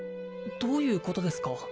どういうことですか？